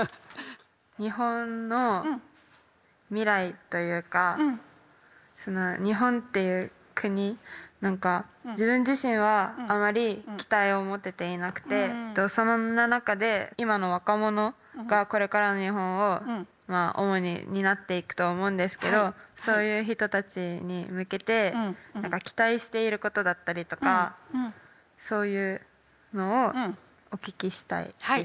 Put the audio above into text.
日本の未来というかその日本っていう国何か自分自身はあまり期待を持てていなくてそんな中で今の若者がこれからの日本を主に担っていくと思うんですけどそういう人たちに向けて何か期待していることだったりとかそういうのをお聞きしたいです。